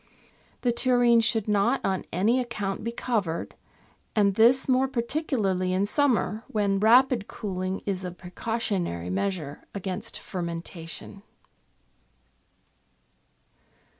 The tureen should not on any account be covered, and this more particularly in summer, when rapid cooling is a precautionary measure against fer mentation.